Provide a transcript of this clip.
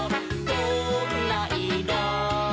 「どんないろ？」